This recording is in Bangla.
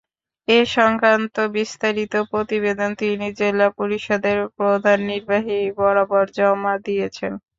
এ-সংক্রান্ত বিস্তারিত প্রতিবেদন তিনি জেলা পরিষদের প্রধান নির্বাহী বরাবর জমা দিয়েছেন।